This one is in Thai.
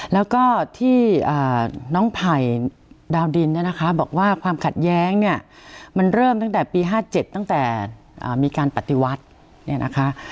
แล้วก็ที่น้องไผ่ดาวดินเนี่ยนะคะบอกว่าความขัดแย้งเนี่ยมันเริ่มตั้งแต่ปี๕๗ตั้งแต่มีการปฏิวัติเนี่ยนะคะ